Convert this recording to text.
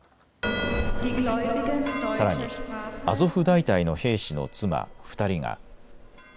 さらに、アゾフ大隊の兵士の妻２人が。